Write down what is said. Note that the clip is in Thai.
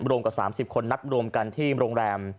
รวมกว่า๓๐คนนัดรวมกันที่โรงแรม